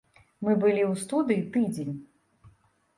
Мы былі ў студыі тыдзень.